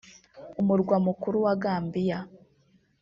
umurwa mukuru wa Gambia